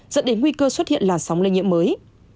dẫn đến nguy cơ xuất hiện làn sóng lây nhiễm mới